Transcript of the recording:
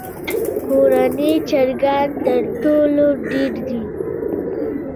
کورني چرګان تر ټولو ډېر دي.